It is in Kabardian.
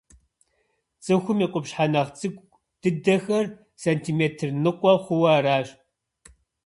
Цӏыхум и къупщхьэ нэхъ цӏыкӏу дыдэхэр сантиметр ныкъуэ хъууэ аращ.